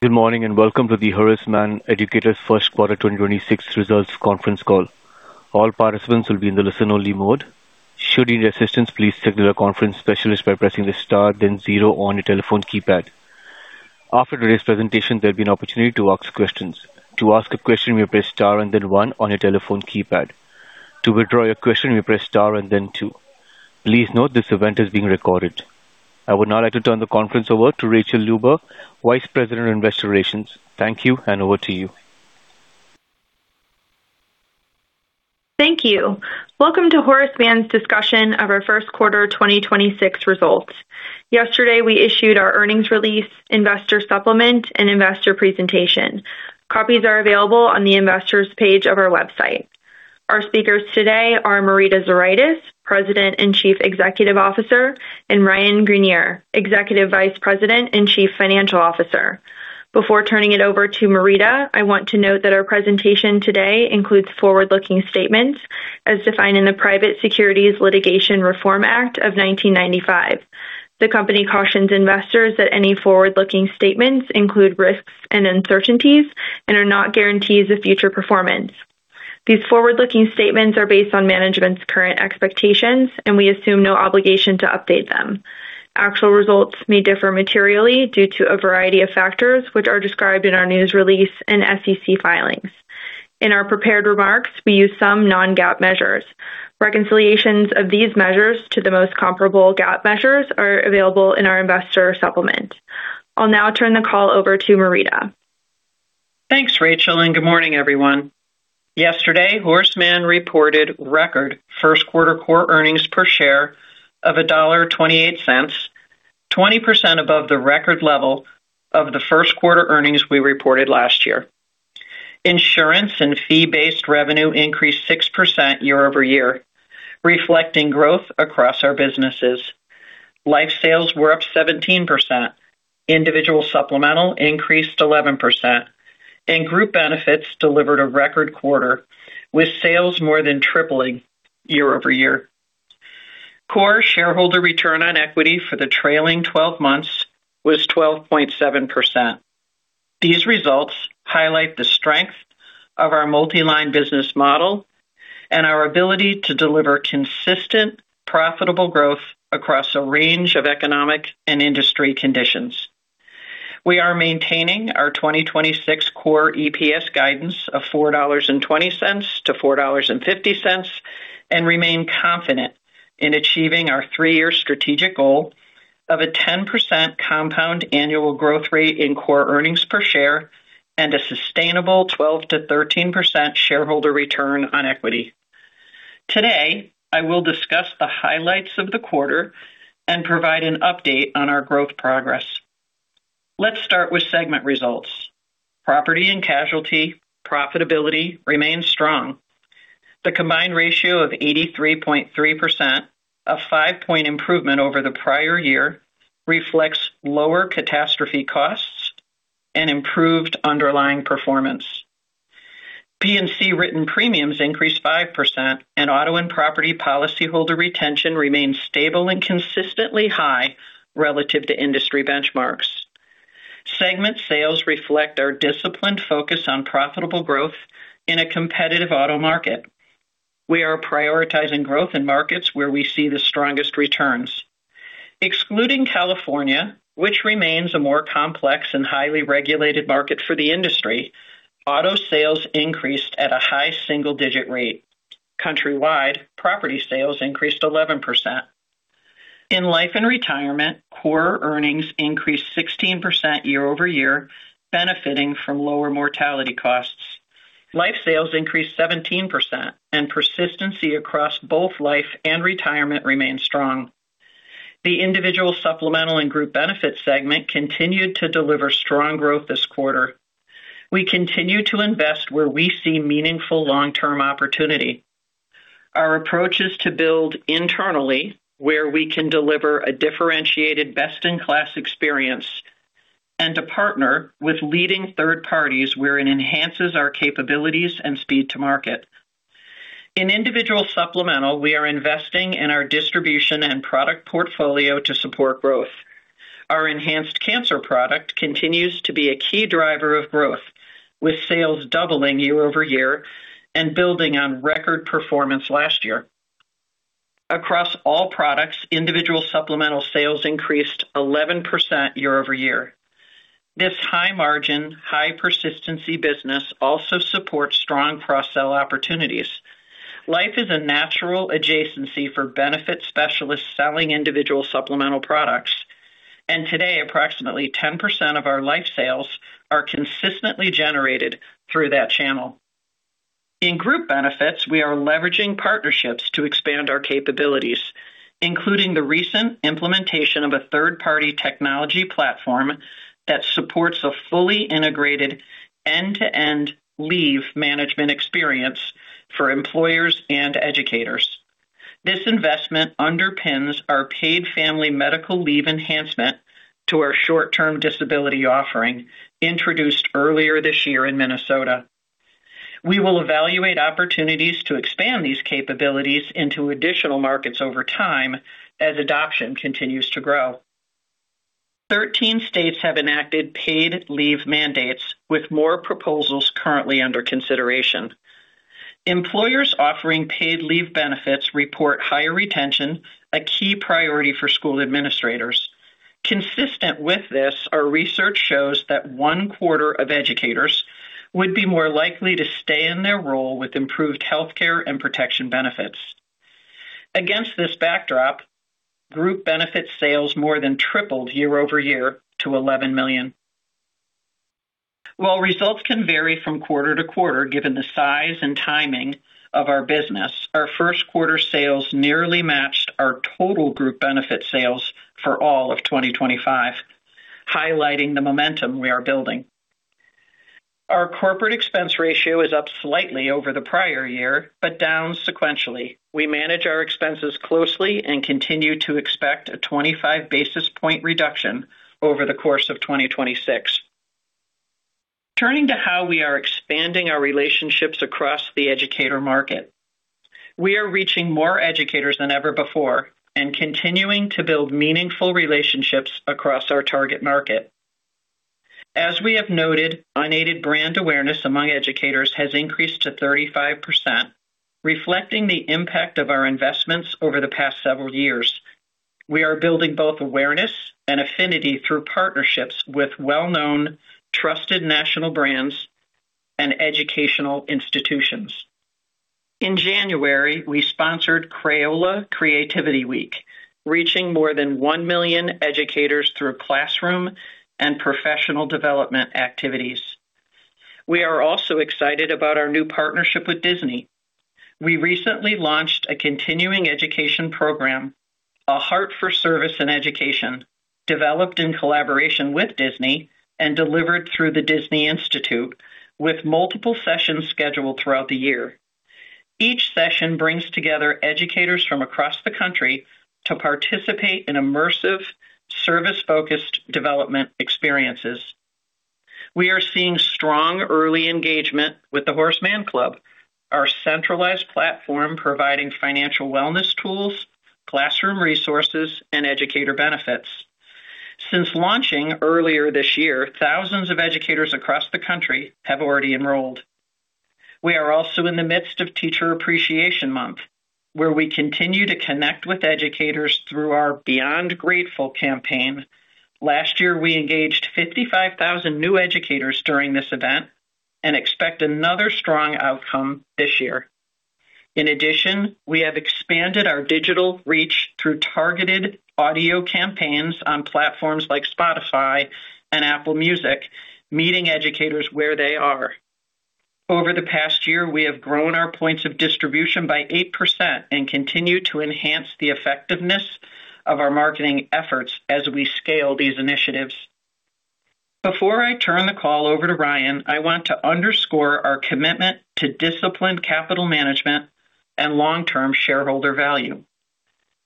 Good morning, and welcome to the Horace Mann Educators First Quarter 2026 Results Conference Call. All participants will be in the listen-only mode. Should you need assistance, please signal a conference specialist by pressing the star then zero on your telephone keypad. After today's presentation, there'll be an opportunity to ask questions. To ask a question, you may press star and then one on your telephone keypad. To withdraw your question, you may press star and then two. Please note this event is being recorded. I would now like to turn the conference over to Rachael Luber, Vice President of Investor Relations. Thank you, and over to you. Thank you. Welcome to Horace Mann's discussion of our first quarter 2026 results. Yesterday, we issued our earnings release investor supplement and investor presentation. Copies are available on the Investors page of our website. Our speakers today are Marita Zuraitis, President and Chief Executive Officer, and Ryan Greenier, Executive Vice President and Chief Financial Officer. Before turning it over to Marita, I want to note that our presentation today includes forward-looking statements as defined in the Private Securities Litigation Reform Act of 1995. The company cautions investors that any forward-looking statements include risks and uncertainties and are not guarantees of future performance. These forward-looking statements are based on management's current expectations, and we assume no obligation to update them. Actual results may differ materially due to a variety of factors, which are described in our news release and SEC filings. In our prepared remarks, we use some non-GAAP measures. Reconciliations of these measures to the most comparable GAAP measures are available in our investor supplement. I'll now turn the call over to Marita. Thanks, Rachael. Good morning, everyone. Yesterday, Horace Mann reported record first quarter core earnings per share of $1.28, 20% above the record level of the first quarter earnings we reported last year. Insurance and fee-based revenue increased 6% year-over-year, reflecting growth across our businesses. Life sales were up 17%. Individual supplemental increased 11%. Group benefits delivered a record quarter with sales more than tripling year-over-year. Core shareholder return on equity for the trailing 12 months was 12.7%. These results highlight the strength of our multi-line business model and our ability to deliver consistent, profitable growth across a range of economic and industry conditions. We are maintaining our 2026 Core EPS guidance of $4.20-$4.50 and remain confident in achieving our three-year strategic goal of a 10% compound annual growth rate in core earnings per share and a sustainable 12%-13% shareholder return on equity. Today, I will discuss the highlights of the quarter and provide an update on our growth progress. Let's start with segment results. Property and Casualty profitability remains strong. The combined ratio of 83.3%, a five-point improvement over the prior year, reflects lower catastrophe costs and improved underlying performance. P&C written premiums increased 5%, and auto and property policyholder retention remains stable and consistently high relative to industry benchmarks. Segment sales reflect our disciplined focus on profitable growth in a competitive auto market. We are prioritizing growth in markets where we see the strongest returns. Excluding California, which remains a more complex and highly regulated market for the industry, auto sales increased at a high single-digit rate. Countrywide, property sales increased 11%. In life and retirement, core earnings increased 16% year-over-year, benefiting from lower mortality costs. Life sales increased 17%, and persistency across both life and retirement remains strong. The individual supplemental and group benefits segment continued to deliver strong growth this quarter. We continue to invest where we see meaningful long-term opportunity. Our approach is to build internally where we can deliver a differentiated best-in-class experience and to partner with leading third parties where it enhances our capabilities and speed to market. In individual supplemental, we are investing in our distribution and product portfolio to support growth. Our enhanced cancer product continues to be a key driver of growth, with sales doubling year-over-year and building on record performance last year. Across all products, individual supplemental sales increased 11% year-over-year. This high margin, high persistency business also supports strong cross-sell opportunities. Life is a natural adjacency for benefit specialists selling individual supplemental products, and today, approximately 10% of our life sales are consistently generated through that channel. In group benefits, we are leveraging partnerships to expand our capabilities, including the recent implementation of a third-party technology platform that supports a fully integrated end-to-end leave management experience for employers and educators. This investment underpins our paid family medical leave enhancement to our short-term disability offering introduced earlier this year in Minnesota. We will evaluate opportunities to expand these capabilities into additional markets over time as adoption continues to grow. 13 states have enacted paid leave mandates, with more proposals currently under consideration. Employers offering paid leave benefits report higher retention, a key priority for school administrators. Consistent with this, our research shows that 1/4 of educators would be more likely to stay in their role with improved healthcare and protection benefits. Against this backdrop, group benefit sales more than tripled year-over-year to $11 million. While results can vary from quarter-to-quarter, given the size and timing of our business, our first quarter sales nearly matched our total group benefit sales for all of 2025, highlighting the momentum we are building. Our corporate expense ratio is up slightly over the prior year, but down sequentially. We manage our expenses closely and continue to expect a 25 basis point reduction over the course of 2026. Turning to how we are expanding our relationships across the educator market. We are reaching more educators than ever before and continuing to build meaningful relationships across our target market. As we have noted, unaided brand awareness among educators has increased to 35%, reflecting the impact of our investments over the past several years. We are building both awareness and affinity through partnerships with well-known, trusted national brands and educational institutions. In January, we sponsored Crayola Creativity Week, reaching more than 1 million educators through classroom and professional development activities. We are also excited about our new partnership with Disney. We recently launched a continuing education program, A Heart for Service and Education, developed in collaboration with Disney and delivered through the Disney Institute, with multiple sessions scheduled throughout the year. Each session brings together educators from across the country to participate in immersive, service-focused development experiences. We are seeing strong early engagement with the Horace Mann Club, our centralized platform providing financial wellness tools, classroom resources, and educator benefits. Since launching earlier this year, thousands of educators across the country have already enrolled. We are also in the midst of Teacher Appreciation Month, where we continue to connect with educators through our Beyond Grateful campaign. Last year, we engaged 55,000 new educators during this event and expect another strong outcome this year. We have expanded our digital reach through targeted audio campaigns on platforms like Spotify and Apple Music, meeting educators where they are. Over the past year, we have grown our points of distribution by 8% and continue to enhance the effectiveness of our marketing efforts as we scale these initiatives. Before I turn the call over to Ryan, I want to underscore our commitment to disciplined capital management and long-term shareholder value.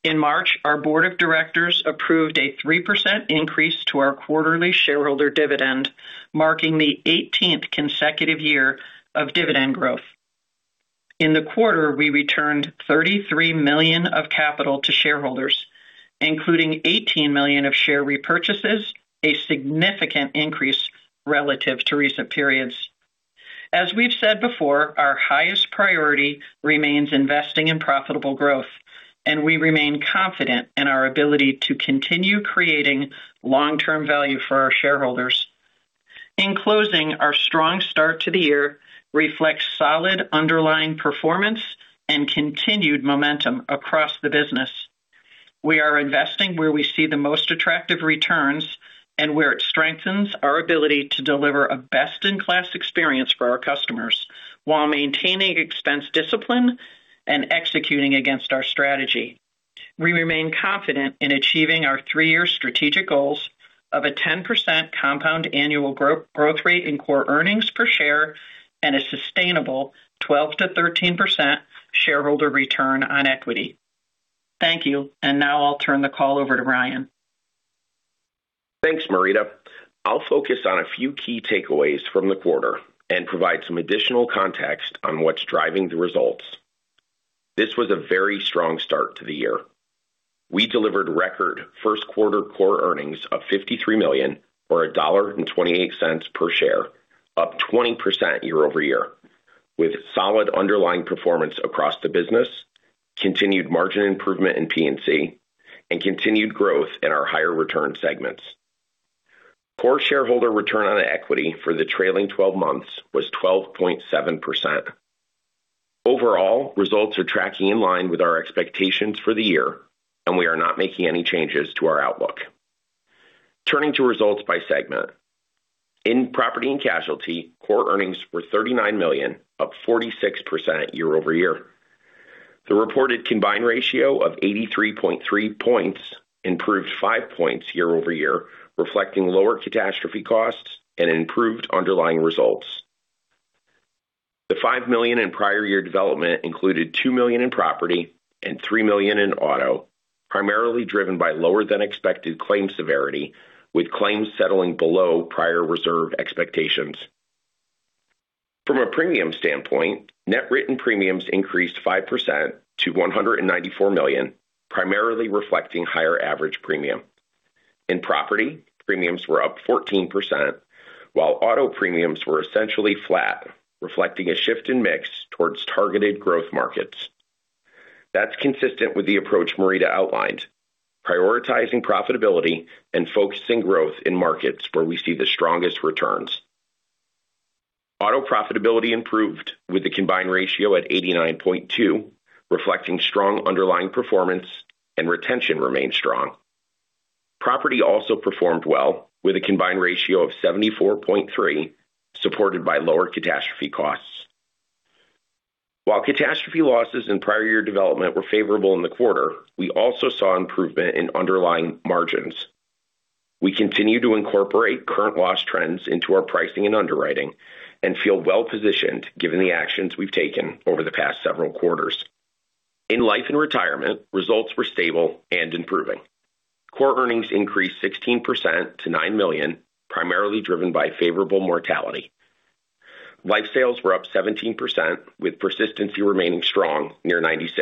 In March, our board of directors approved a 3% increase to our quarterly shareholder dividend, marking the 18th consecutive year of dividend growth. In the quarter, we returned $33 million of capital to shareholders, including $18 million of share repurchases, a significant increase relative to recent periods. As we've said before, our highest priority remains investing in profitable growth, and we remain confident in our ability to continue creating long-term value for our shareholders. In closing, our strong start to the year reflects solid underlying performance and continued momentum across the business. We are investing where we see the most attractive returns and where it strengthens our ability to deliver a best-in-class experience for our customers while maintaining expense discipline and executing against our strategy. We remain confident in achieving our three-year strategic goals of a 10% compound annual growth rate in Core EPS and a sustainable 12%-13% shareholder ROE. Thank you. Now I'll turn the call over to Ryan. Thanks, Marita Zuraitis. I'll focus on a few key takeaways from the quarter and provide some additional context on what's driving the results. This was a very strong start to the year. We delivered record first quarter core earnings of $53 million, or $1.28 per share, up 20% year-over-year, with solid underlying performance across the business, continued margin improvement in P&C, and continued growth in our higher return segments. Core shareholder return on equity for the trailing 12 months was 12.7%. Overall, results are tracking in line with our expectations for the year. We are not making any changes to our outlook. Turning to results by segment. In Property and Casualty, core earnings were $39 million, up 46% year-over-year. The reported combined ratio of 83.3 points improved five points year-over-year, reflecting lower catastrophe costs and improved underlying results. The $5 million in prior year development included $2 million in property and $3 million in auto. Primarily driven by lower than expected claim severity, with claims settling below prior reserve expectations. From a premium standpoint, net written premiums increased 5% to $194 million, primarily reflecting higher average premium. In property, premiums were up 14%, while auto premiums were essentially flat, reflecting a shift in mix towards targeted growth markets. That's consistent with the approach Marita outlined, prioritizing profitability and focusing growth in markets where we see the strongest returns. Auto profitability improved with the combined ratio at 89.2, reflecting strong underlying performance and retention remained strong. Property also performed well with a combined ratio of 74.3, supported by lower catastrophe costs. While catastrophe losses in prior year development were favorable in the quarter, we also saw improvement in underlying margins. We continue to incorporate current loss trends into our pricing and underwriting and feel well-positioned given the actions we've taken over the past several quarters. In life and retirement, results were stable and improving. Core earnings increased 16% to $9 million, primarily driven by favorable mortality. Life sales were up 17%, with persistency remaining strong, near 96%.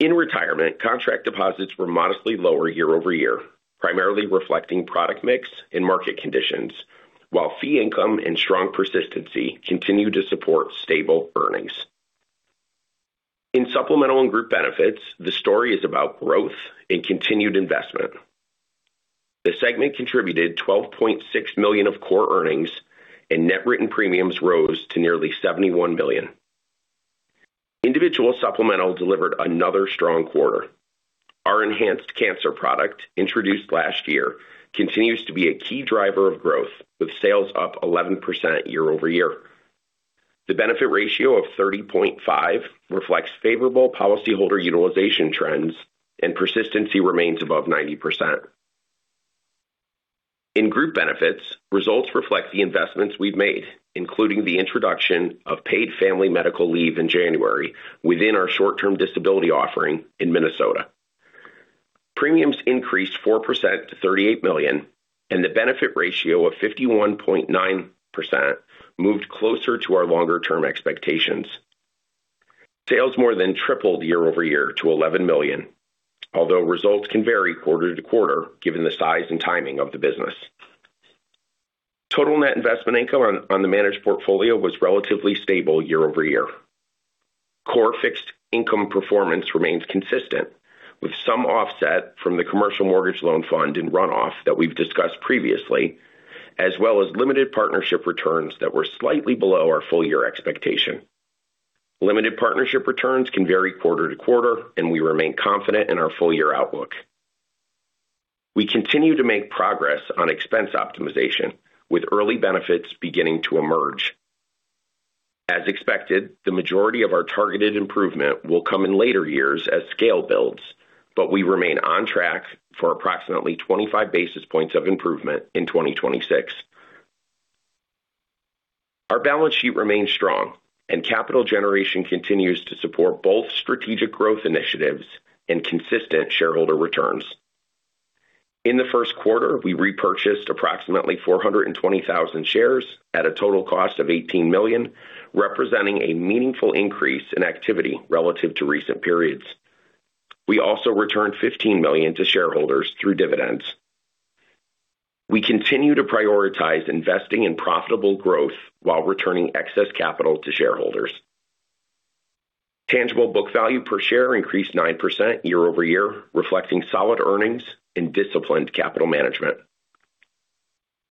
In retirement, contract deposits were modestly lower year-over-year, primarily reflecting product mix and market conditions, while fee income and strong persistency continued to support stable earnings. In supplemental and group benefits, the story is about growth and continued investment. The segment contributed $12.6 million of core earnings, and net written premiums rose to nearly $71 million. Individual supplemental delivered another strong quarter. Our enhanced cancer product, introduced last year, continues to be a key driver of growth, with sales up 11% year-over-year. The benefit ratio of 30.5 reflects favorable policyholder utilization trends, and persistency remains above 90%. In group benefits, results reflect the investments we've made, including the introduction of Paid Family Medical Leave in January within our short-term disability offering in Minnesota. Premiums increased 4% to $38 million, and the benefit ratio of 51.9% moved closer to our longer-term expectations. Sales more than tripled year-over-year to $11 million, although results can vary quarter-to-quarter given the size and timing of the business. Total net investment income on the managed portfolio was relatively stable year-over-year. Core fixed income performance remains consistent, with some offset from the commercial mortgage loan fund and runoff that we've discussed previously, as well as Limited Partnership returns that were slightly below our full-year expectation. Limited Partnership returns can vary quarter-to-quarter, and we remain confident in our full-year outlook. We continue to make progress on expense optimization, with early benefits beginning to emerge. As expected, the majority of our targeted improvement will come in later years as scale builds, but we remain on track for approximately 25 basis points of improvement in 2026. Our balance sheet remains strong, and capital generation continues to support both strategic growth initiatives and consistent shareholder returns. In the first quarter, we repurchased approximately 420,000 shares at a total cost of $18 million, representing a meaningful increase in activity relative to recent periods. We also returned $15 million to shareholders through dividends. We continue to prioritize investing in profitable growth while returning excess capital to shareholders. Tangible book value per share increased 9% year-over-year, reflecting solid earnings and disciplined capital management.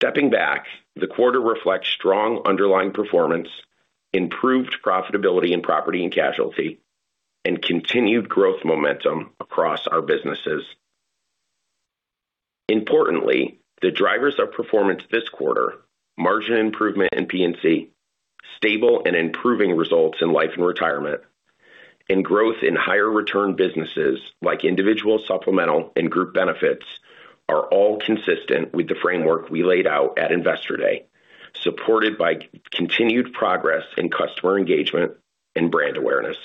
Stepping back, the quarter reflects strong underlying performance, improved profitability in Property and Casualty, and continued growth momentum across our businesses. Importantly, the drivers of performance this quarter, margin improvement in P&C, stable and improving results in life and retirement, and growth in higher return businesses like individual supplemental and group benefits, are all consistent with the framework we laid out at Investor Day, supported by continued progress in customer engagement and brand awareness.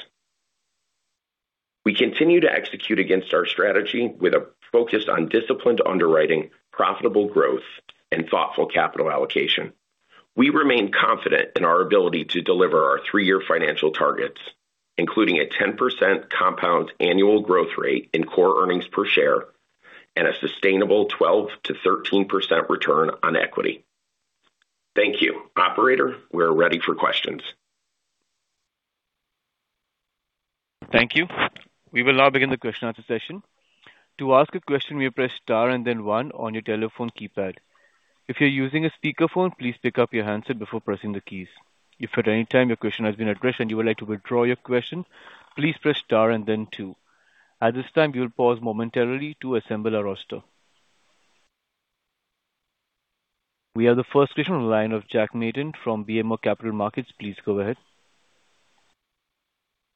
We continue to execute against our strategy with a focus on disciplined underwriting, profitable growth, and thoughtful capital allocation. We remain confident in our ability to deliver our three-year financial targets, including a 10% compound annual growth rate in Core earnings per share and a sustainable 12%-13% return on equity. Thank you. Operator, we're ready for questions. Thank you. We will now begin the question-answer session. To ask a question, you may press star and then one on your telephone keypad. If you're using a speakerphone, please pick up your handset before pressing the keys. If at any time your question has been addressed and you would like to withdraw your question, please press star and then two. At this time, we will pause momentarily to assemble our roster. We have the first question on the line of Jack Matten from BMO Capital Markets. Please go ahead.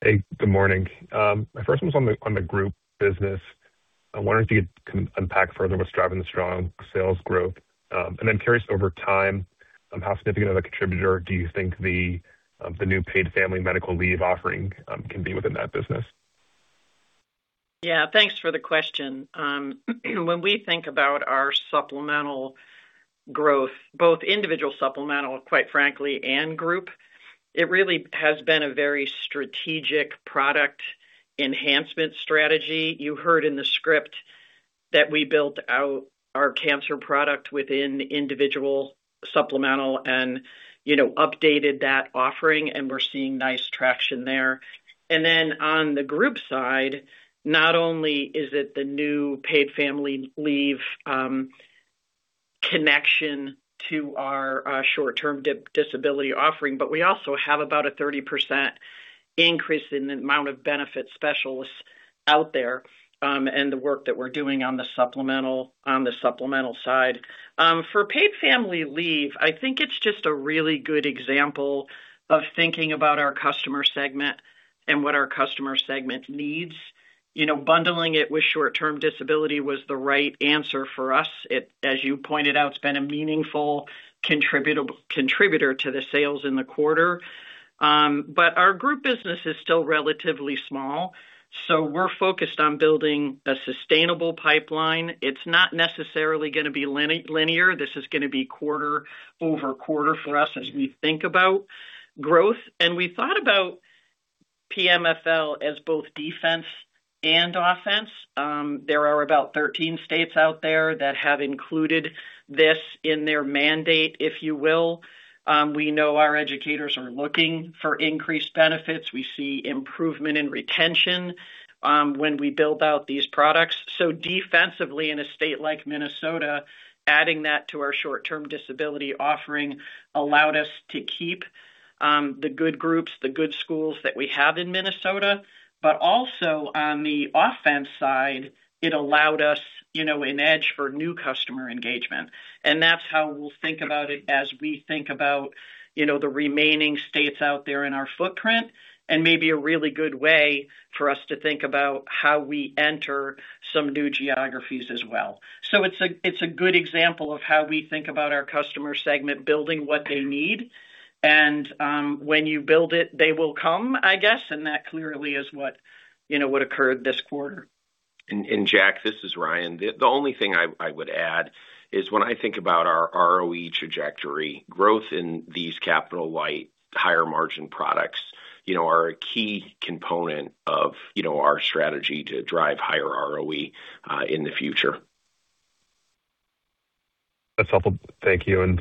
Hey, good morning. My first one's on the group business. I'm wondering if you could unpack further what's driving the strong sales growth. I'm curious over time, how significant of a contributor do you think the new paid family medical leave offering can be within that business? Yeah, thanks for the question. When we think about our supplemental growth, both individual supplemental, quite frankly, and group, it really has been a very strategic product enhancement strategy. You heard in the script that we built out our cancer product within individual supplemental and, you know, updated that offering, and we're seeing nice traction there. On the group side, not only is it the new Paid Family Leave connection to our short-term disability offering, we also have about a 30% increase in the amount of benefit specialists out there, and the work that we're doing on the supplemental side. For Paid Family Leave, I think it's just a really good example of thinking about our customer segment and what our customer segment needs. You know, bundling it with short-term disability was the right answer for us. As you pointed out, it's been a meaningful contributor to the sales in the quarter. Our group business is still relatively small, so we're focused on building a sustainable pipeline. It's not necessarily gonna be linear. This is gonna be quarter-over-quarter for us as we think about growth. We thought about PFML as both defense and offense. There are about 13 states out there that have included this in their mandate, if you will. We know our educators are looking for increased benefits. We see improvement in retention when we build out these products. Defensively, in a state like Minnesota, adding that to our short-term disability offering allowed us to keep the good groups, the good schools that we have in Minnesota, but also on the offense side, it allowed us, you know, an edge for new customer engagement. That's how we'll think about it as we think about, you know, the remaining states out there in our footprint, and maybe a really good way for us to think about how we enter some new geographies as well. It's a, it's a good example of how we think about our customer segment building what they need, and when you build it, they will come, I guess. That clearly is what, you know, what occurred this quarter. Jack, this is Ryan. The only thing I would add is when I think about our ROE trajectory, growth in these capital light, higher margin products, you know, are a key component of, you know, our strategy to drive higher ROE in the future. That's helpful. Thank you.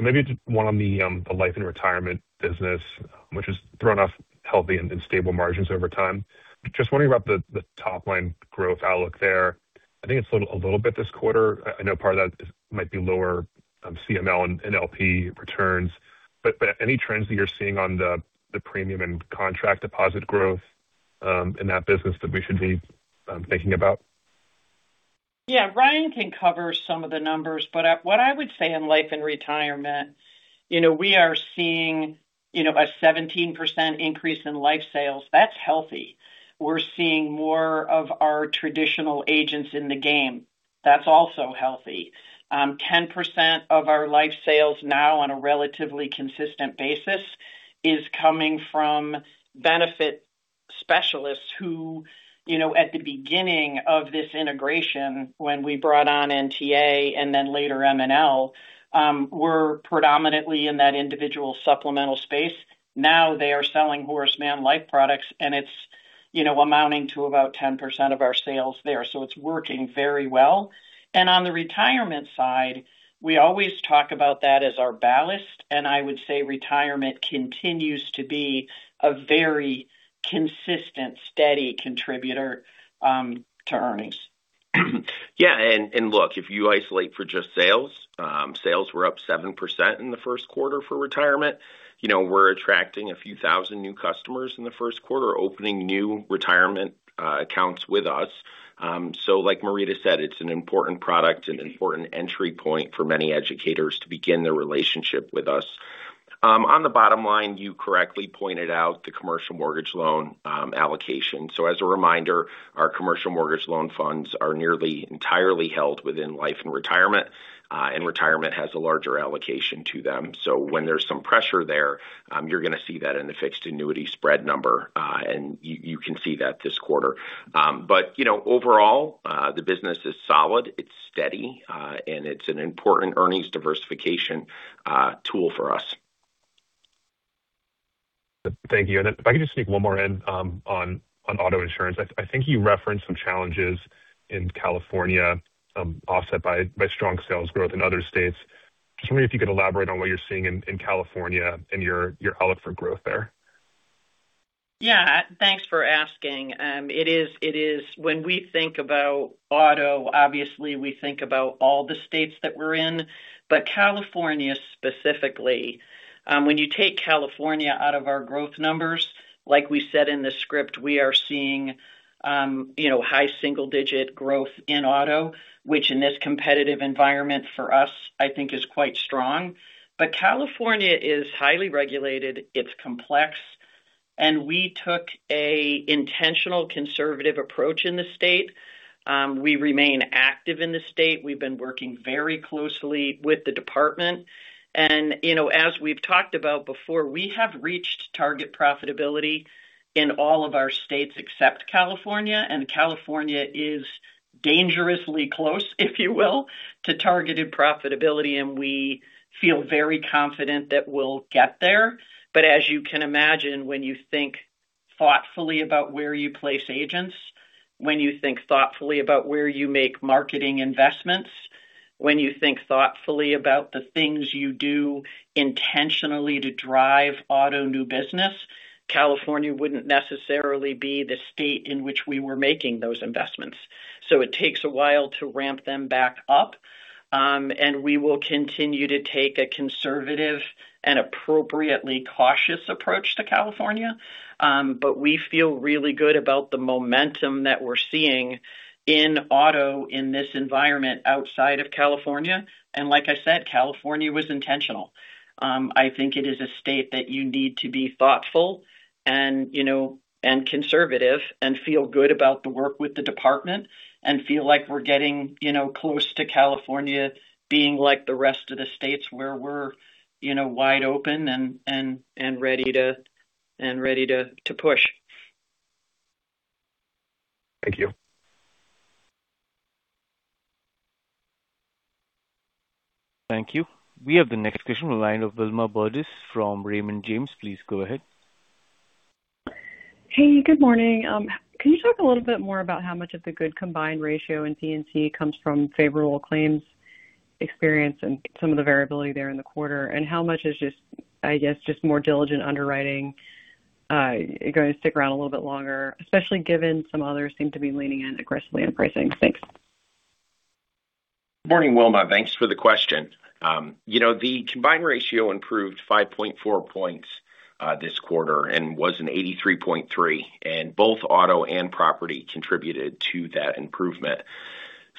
Maybe just one on the life and retirement business, which has thrown off healthy and stable margins over time. Just wondering about the top line growth outlook there. I think it's a little bit this quarter. I know part of that might be lower CML and LP returns, but any trends that you're seeing on the premium and contract deposit growth in that business that we should be thinking about? Yeah, Ryan can cover some of the numbers. What I would say in life and retirement, you know, we are seeing, you know, a 17% increase in life sales. That's healthy. We're seeing more of our traditional agents in the game. That's also healthy. 10% of our life sales now on a relatively consistent basis is coming from benefit specialists who, you know, at the beginning of this integration, when we brought on NTA and then later MNL, were predominantly in that individual supplemental space. Now they are selling Horace Mann life products, and it's, you know, amounting to about 10% of our sales there. It's working very well. On the retirement side, we always talk about that as our ballast, and I would say retirement continues to be a very consistent, steady contributor to earnings. If you isolate for just sales were up 7% in the first quarter for retirement. We're attracting a few thousand new customers in the first quarter, opening new retirement accounts with us. Like Marita said, it's an important product, an important entry point for many educators to begin their relationship with us. On the bottom line, you correctly pointed out the commercial mortgage loan allocation. As a reminder, our commercial mortgage loan funds are nearly entirely held within life and retirement, and retirement has a larger allocation to them. When there's some pressure there, you're gonna see that in the fixed annuity spread number. You can see that this quarter. You know, overall, the business is solid, it's steady, and it's an important earnings diversification, tool for us. Thank you. If I could just sneak one more in, on auto insurance. I think you referenced some challenges in California, offset by strong sales growth in other states. Just wondering if you could elaborate on what you're seeing in California and your outlook for growth there. Yeah, thanks for asking. When we think about auto, obviously, we think about all the states that we're in, but California specifically. When you take California out of our growth numbers, like we said in the script, we are seeing, you know, high single-digit growth in auto, which in this competitive environment for us, I think is quite strong. California is highly regulated. It's complex. We took an intentional conservative approach in the state. We remain active in the state. We've been working very closely with the department. You know, as we've talked about before, we have reached target profitability in all of our states except California, and California is dangerously close, if you will, to targeted profitability, and we feel very confident that we'll get there. As you can imagine, when you think thoughtfully about where you place agents, when you think thoughtfully about where you make marketing investments, when you think thoughtfully about the things you do intentionally to drive auto new business, California wouldn't necessarily be the state in which we were making those investments. It takes a while to ramp them back up. We will continue to take a conservative and appropriately cautious approach to California. We feel really good about the momentum that we're seeing in auto in this environment outside of California. Like I said, California was intentional. I think it is a state that you need to be thoughtful and, you know, conservative and feel good about the work with the department and feel like we're getting, you know, close to California being like the rest of the states where we're, you know, wide open and ready to push. Thank you. Thank you. We have the next question on the line of Wilma Burdis from Raymond James. Please go ahead. Hey, good morning. Can you talk a little bit more about how much of the good combined ratio in P&C comes from favorable claims experience and some of the variability there in the quarter, and how much is just, I guess, just more diligent underwriting going to stick around a little bit longer, especially given some others seem to be leaning in aggressively on pricing. Thanks. Morning, Wilma. Thanks for the question. You know, the combined ratio improved 5.4 points this quarter and was an 83.3, and both auto and property contributed to that improvement.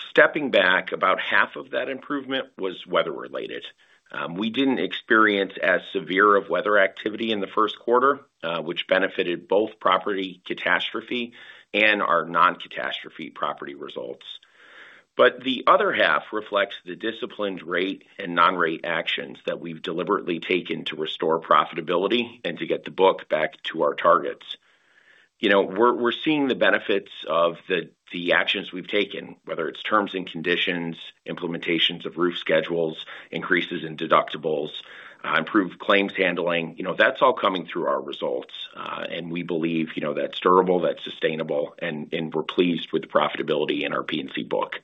Stepping back, about half of that improvement was weather-related. We didn't experience as severe of weather activity in the first quarter, which benefited both property catastrophe and our non-catastrophe property results. The other half reflects the disciplined rate and non-rate actions that we've deliberately taken to restore profitability and to get the book back to our targets. You know, we're seeing the benefits of the actions we've taken, whether it's terms and conditions, implementations of roof schedules, increases in deductibles, improved claims handling. You know, that's all coming through our results. We believe, you know, that's durable, that's sustainable, and we're pleased with the profitability in our P&C book.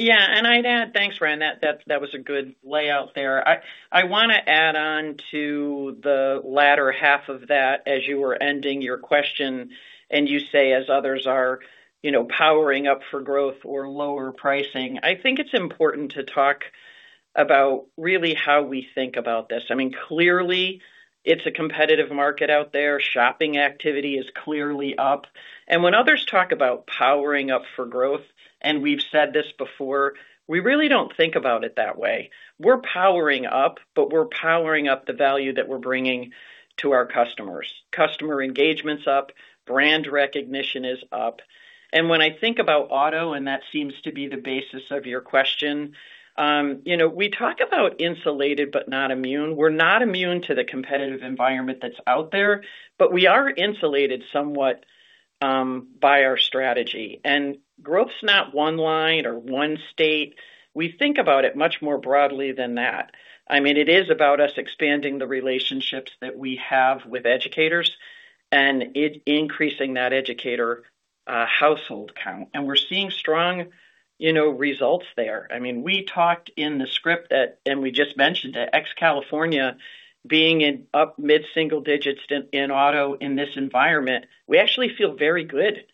Yeah, I'd add. Thanks, Ryan. That was a good layout there. I want to add on to the latter half of that as you were ending your question. You say as others are, you know, powering up for growth or lower pricing. I think it's important to talk about really how we think about this. I mean, clearly it's a competitive market out there. Shopping activity is clearly up. When others talk about powering up for growth, and we've said this before, we really don't think about it that way. We're powering up, but we're powering up the value that we're bringing to our customers. Customer engagement's up, brand recognition is up. When I think about auto, and that seems to be the basis of your question, you know, we talk about insulated but not immune. We're not immune to the competitive environment that's out there, but we are insulated somewhat by our strategy. Growth's not one line or one state. We think about it much more broadly than that. I mean, it is about us expanding the relationships that we have with educators and it increasing that educator household count. We're seeing strong results there. I mean, we talked in the script that, and we just mentioned it, ex California being in up mid-single digits in auto in this environment, we actually feel very good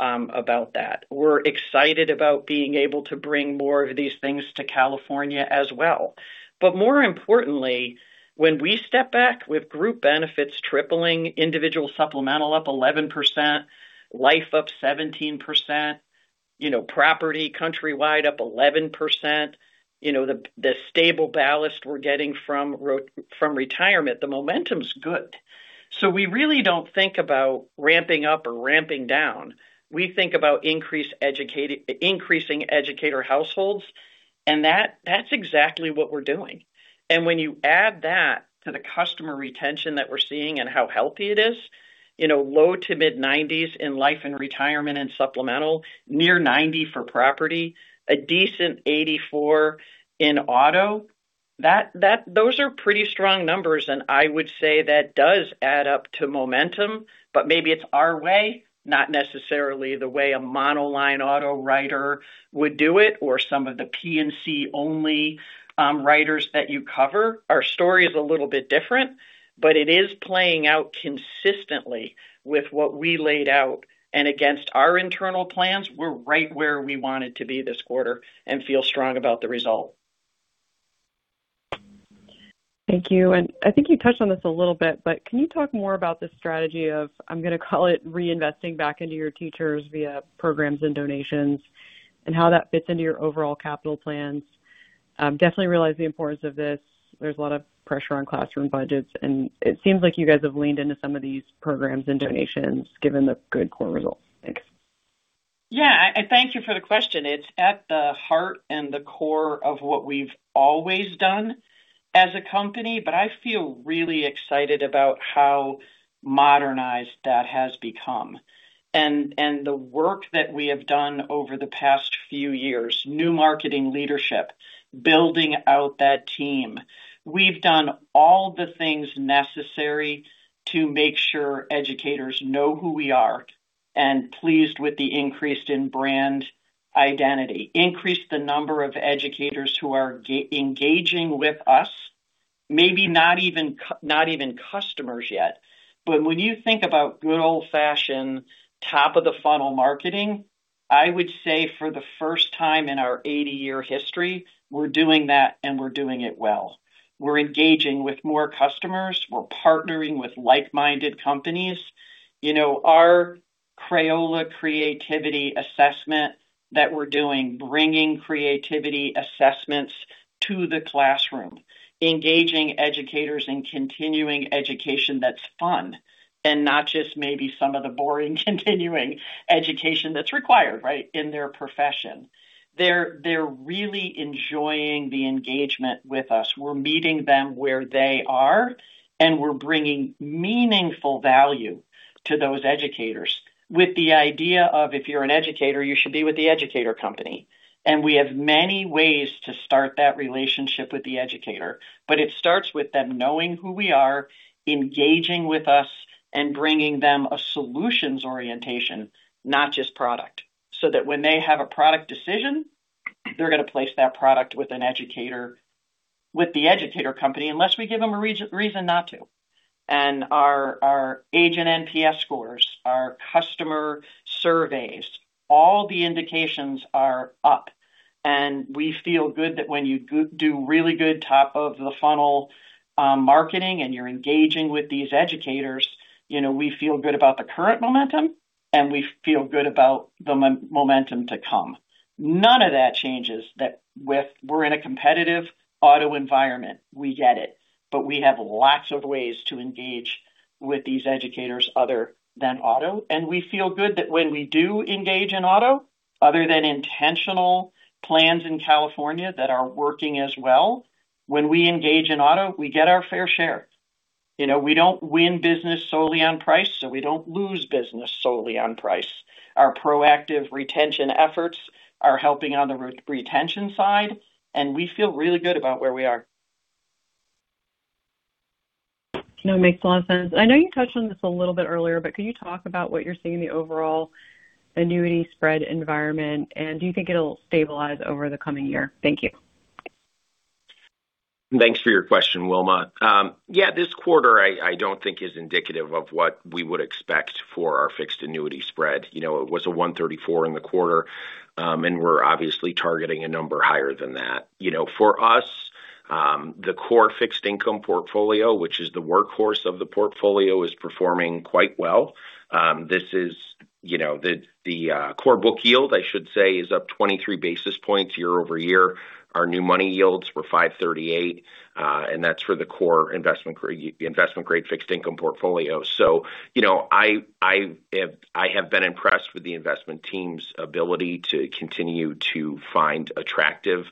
about that. We're excited about being able to bring more of these things to California as well. More importantly, when we step back with group benefits tripling, individual supplemental up 11%, life up 17%, you know, property countrywide up 11%, you know, the stable ballast we're getting from retirement, the momentum's good. We really don't think about ramping up or ramping down. We think about increasing educator households, and that's exactly what we're doing. When you add that to the customer retention that we're seeing and how healthy it is, you know, low to mid-90s in life and retirement and supplemental, near 90 for property, a decent 84 in auto, those are pretty strong numbers, and I would say that does add up to momentum. Maybe it's our way, not necessarily the way a monoline auto writer would do it or some of the P&C-only writers that you cover. Our story is a little bit different, but it is playing out consistently with what we laid out. Against our internal plans, we're right where we wanted to be this quarter and feel strong about the result. Thank you. I think you touched on this a little bit, but can you talk more about the strategy of, I am gonna call it reinvesting back into your teachers via programs and donations, and how that fits into your overall capital plans? Definitely realize the importance of this. There's a lot of pressure on classroom budgets, and it seems like you guys have leaned into some of these programs and donations, given the good core results. Thanks. Yeah. Thank you for the question. It's at the heart and the core of what we've always done as a company, but I feel really excited about how modernized that has become. The work that we have done over the past few years, new marketing leadership, building out that team. We've done all the things necessary to make sure educators know who we are and pleased with the increase in brand identity. Increase the number of educators who are engaging with us, maybe not even not even customers yet. When you think about good old-fashioned top of the funnel marketing, I would say for the first time in our 80-year history, we're doing that, and we're doing it well. We're engaging with more customers. We're partnering with like-minded companies. You know, our Crayola creativity assessment that we're doing, bringing creativity assessments to the classroom, engaging educators in continuing education that's fun and not just maybe some of the boring continuing education that's required, right, in their profession. They're really enjoying the engagement with us. We're meeting them where they are, and we're bringing meaningful value to those educators with the idea of, if you're an educator, you should be with The Educator Company. We have many ways to start that relationship with the educator, but it starts with them knowing who we are, engaging with us, and bringing them a solutions orientation, not just product. That when they have a product decision, they're gonna place that product with The Educator Company unless we give them a reason not to. Our agent NPS scores, our customer surveys, all the indications are up. We feel good that when you do really good top of the funnel marketing and you're engaging with these educators, you know, we feel good about the current momentum, and we feel good about the momentum to come. None of that changes that with we're in a competitive auto environment. We get it. We have lots of ways to engage with these educators other than auto. We feel good that when we do engage in auto, other than intentional plans in California that are working as well, when we engage in auto, we get our fair share. You know, we don't win business solely on price, so we don't lose business solely on price. Our proactive retention efforts are helping on the retention side, and we feel really good about where we are. It makes a lot of sense. I know you touched on this a little bit earlier, can you talk about what you're seeing in the overall annuity spread environment? Do you think it'll stabilize over the coming year? Thank you. Thanks for your question, Wilma. Yeah, this quarter I don't think is indicative of what we would expect for our fixed annuity spread. You know, it was a 134 in the quarter, and we're obviously targeting a number higher than that. You know, for us, the core fixed income portfolio, which is the workhorse of the portfolio, is performing quite well. This is, you know, the core book yield, I should say, is up 23 basis points year-over-year. Our new money yields were 5.38%, and that's for the core investment grade fixed income portfolio. You know, I have been impressed with the investment team's ability to continue to find attractive,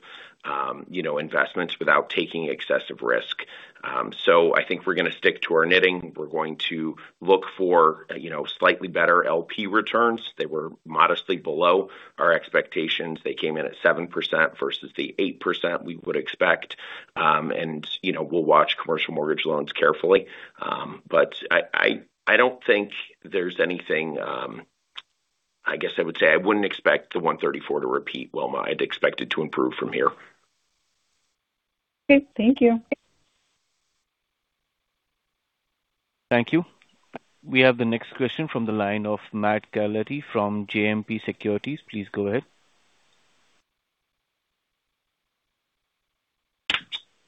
you know, investments without taking excessive risk. I think we're gonna stick to our knitting. We're going to look for, you know, slightly better LP returns. They were modestly below our expectations. They came in at 7% versus the 8% we would expect. You know, we'll watch commercial mortgage loans carefully. I don't think there's anything, I guess I would say I wouldn't expect the 1.34% to repeat, Wilma. I'd expect it to improve from here. Okay. Thank you. Thank you. We have the next question from the line of Matt Carletti from JMP Securities. Please go ahead.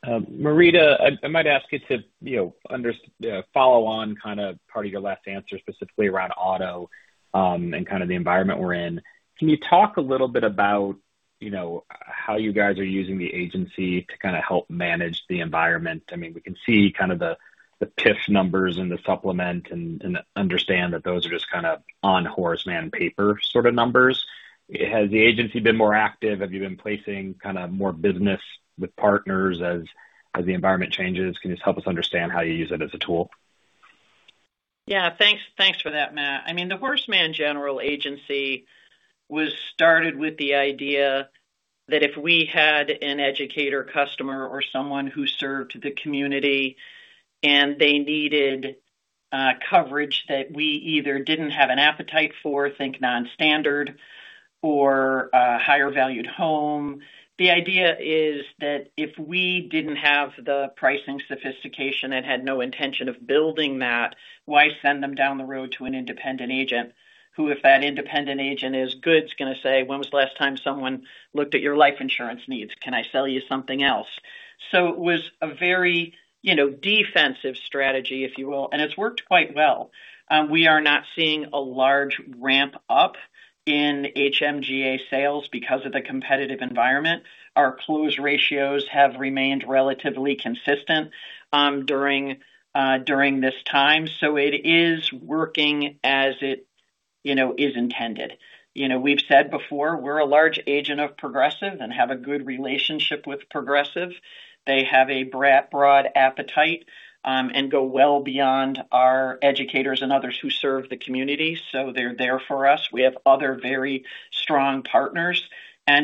Marita, I might ask you to, you know, follow on kind of part of your last answer, specifically around auto, and kind of the environment we're in. Can you talk a little bit about, you know, how you guys are using the agency to kind of help manage the environment? I mean, we can see kind of the PIF numbers and the supplement and understand that those are just kind of on Horace Mann paper sort of numbers. Has the agency been more active? Have you been placing kind of more business with partners as the environment changes? Can you just help us understand how you use it as a tool? Yeah. Thanks, thanks for that, Matt. I mean, the Horace Mann General Agency was started with the idea that if we had an educator customer or someone who served the community and they needed coverage that we either didn't have an appetite for, think non-standard or a higher valued home, the idea is that if we didn't have the pricing sophistication and had no intention of building that, why send them down the road to an independent agent? Who, if that independent agent is good, is gonna say, "When was the last time someone looked at your life insurance needs? Can I sell you something else?" It was a very, you know, defensive strategy, if you will, and it's worked quite well. We are not seeing a large ramp up in HMGA sales because of the competitive environment. Our closed ratios have remained relatively consistent during this time. It is working as it, you know, is intended. You know, we've said before, we're a large agent of Progressive and have a good relationship with Progressive. They have a broad appetite and go well beyond our educators and others who serve the community. They're there for us. We have other very strong partners.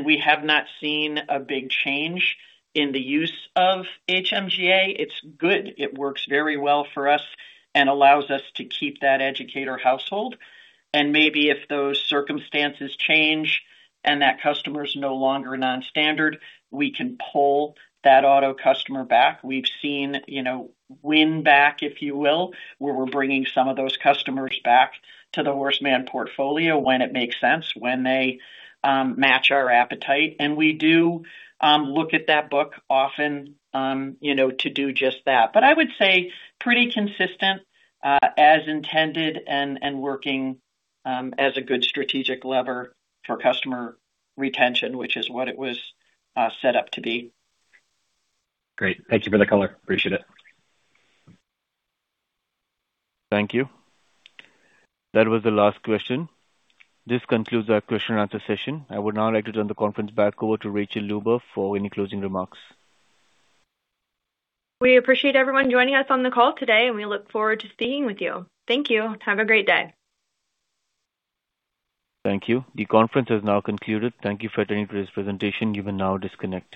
We have not seen a big change in the use of HMGA. It's good. It works very well for us and allows us to keep that educator household. Maybe if those circumstances change and that customer is no longer non-standard, we can pull that auto customer back. We've seen, you know, win back, if you will, where we're bringing some of those customers back to the Horace Mann portfolio when it makes sense, when they match our appetite. We do, you know, look at that book often to do just that. I would say pretty consistent as intended and working as a good strategic lever for customer retention, which is what it was set up to be. Great. Thank you for the color. Appreciate it. Thank you. That was the last question. This concludes our question-and-answer session. I would now like to turn the conference back over to Rachael Luber for any closing remarks. We appreciate everyone joining us on the call today, and we look forward to speaking with you. Thank you. Have a great day. Thank you. The conference has now concluded. Thank you for attending today's presentation. You are now disconnected.